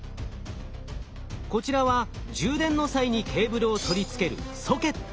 こちらは充電の際にケーブルを取り付けるソケット。